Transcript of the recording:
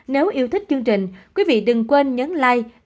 nếu yêu thích chương trình quý vị đừng quên nhấn like